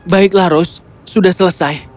baiklah rose sudah selesai